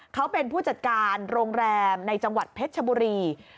เขาเป็นผู้จัดการโรงแรมในจังหวัดเพชรชบุรี